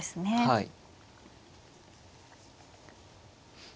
はい。